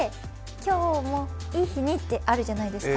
今日もいい日にってあるじゃないですか。